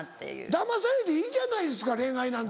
だまされていいじゃないですか恋愛なんて。